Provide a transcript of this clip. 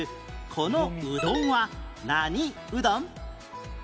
このうどんは何うどん？